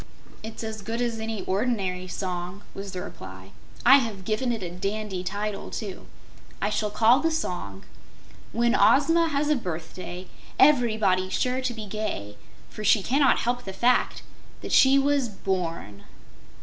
"It's as good as any ordinary song," was the reply. "I have given it a dandy title, too. I shall call the song: 'When Ozma Has a Birthday, Everybody's Sure to Be Gay, for She Cannot Help the Fact That She Was Born.'"